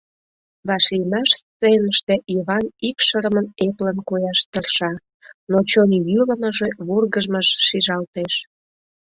Вашлиймаш сценыште Йыван икшырымын-эплын кояш тырша, но чон йӱлымыжӧ, вургыжмыж шижалтеш.